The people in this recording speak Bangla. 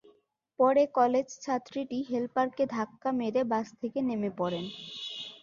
পরে কলেজছাত্রীটি হেলপারকে ধাক্কা মেরে বাস থেকে নেমে পড়েন।